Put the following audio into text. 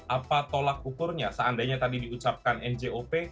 apa tolak ukurnya seandainya tadi diucapkan njop